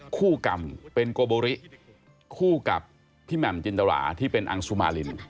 คู่กรรมเป็นโกโบริคู่กับพี่แหม่มจินตราที่เป็นอังสุมาริน